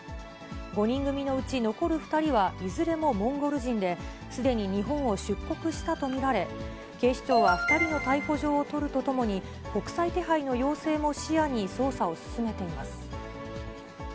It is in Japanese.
５人組のうち、残る２人はいずれもモンゴル人で、すでに日本を出国したと見られ、警視庁は２人の逮捕状を取るとともに、国際手配の要請も視野に捜査を進めています。